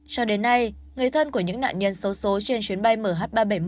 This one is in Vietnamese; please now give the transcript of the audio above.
cho đến nay người thân của những nạn nhân xấu xố trên chuyến bay mh ba trăm bảy mươi